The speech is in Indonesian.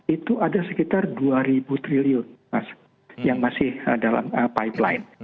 itu ada sekitar dua ribu triliun yang masih dalam pipeline